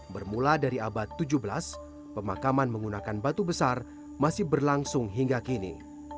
bermula dari abad tujuh belas pemakaman menggunakan batu besar masih berlangsung hingga kini